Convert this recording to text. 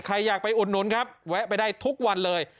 ใครอยากไปอุดหนุนครับแวะไปได้ทุกวันเลย